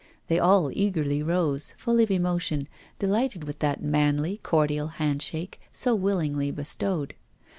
They all eagerly rose, full of emotion, delighted with that manly, cordial handshake so willingly bestowed.